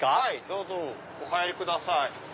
どうぞお入りください。